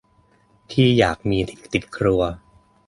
ที่อยากมีติดครัว